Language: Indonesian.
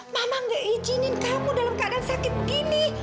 mama gak izinin kamu dalam keadaan sakit gini